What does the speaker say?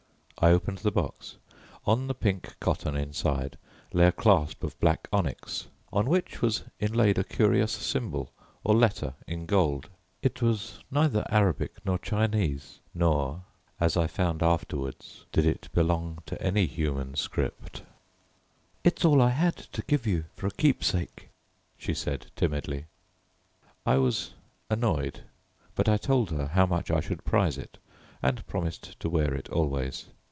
I opened the box. On the pink cotton inside lay a clasp of black onyx, on which was inlaid a curious symbol or letter in gold. It was neither Arabic nor Chinese, nor, as I found afterwards, did it belong to any human script. "It's all I had to give you for a keepsake," she said timidly. I was annoyed, but I told her how much I should prize it, and promised to wear it always.